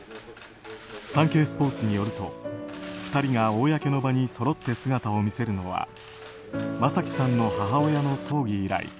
サンケイスポーツによると２人が公の場に揃って姿を見せるのは正輝さんの母親の葬儀以来